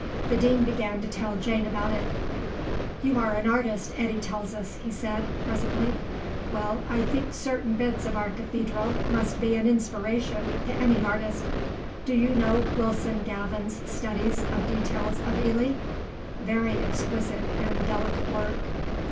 The Dean began to tell Jane about it. "You are an artist, Eddy tells us," he said, presently; "well, I think certain bits of our Cathedral must be an inspiration to any artist. Do you know Wilson Gavin's studies of details of Ely? Very exquisite and delicate work."